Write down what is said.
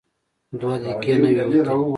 دوه دقیقې نه وې وتلې.